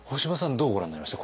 どうご覧になりました？